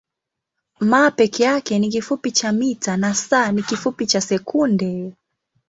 m peke yake ni kifupi cha mita na s ni kifupi cha sekunde.